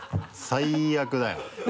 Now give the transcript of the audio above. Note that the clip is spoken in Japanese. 最悪だよ。